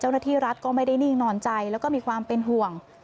เจ้าหน้าที่รัฐก็ไม่ได้นิ่งนอนใจแล้วก็มีความเป็นห่วง